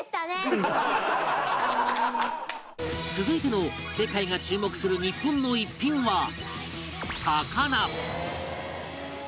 続いての世界が注目する日本の逸品は